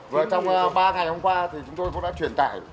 và trong ba ngày hôm qua thì chúng tôi cũng đã truyền tải